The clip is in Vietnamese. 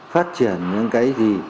phát triển những cái gì